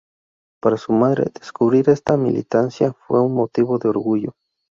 Para su madre, descubrir esta militancia fue un motivo de orgullo.